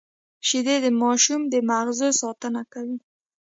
شیدې د ماشوم د مغزو ساتنه کوي